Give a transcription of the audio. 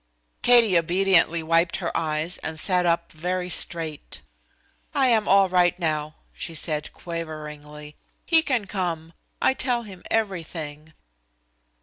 Katie obediently wiped her eyes and sat up very straight. "I am all right now," she said quaveringly. "He can come. I tell him everything."